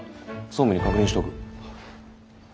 総務に確認しとく。